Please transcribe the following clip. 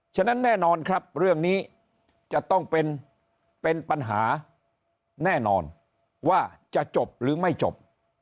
ฉะนั้นแน่นอนครับเรื่องนี้จะต้องเป็นปัญหาแน่นอนว่าจะจบหรือไม่จบ